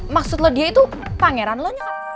maksud lo dia itu pangeran lo